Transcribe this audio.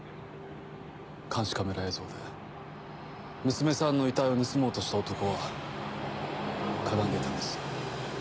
監視カメラ映像で娘さんの遺体を盗もうとした男はかがんでいたんです。